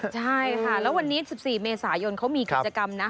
ใช่ค่ะแล้ววันนี้๑๔เมษายนเขามีกิจกรรมนะ